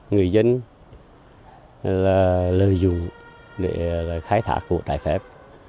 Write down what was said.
người dân là lợi dụng để khai thác cuộc đại phép